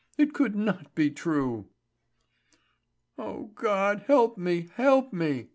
It could not be true! "O God, help me! Help me!"